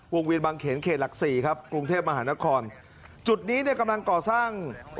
วงวินวิบังเวียดีแสนอาจรองกิจ๔